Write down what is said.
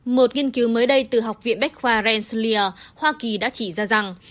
một nghiên cứu mới đây từ học viện bách khoa ransulier hoa kỳ đã chỉ ra rằng